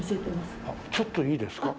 ちょっといいですか？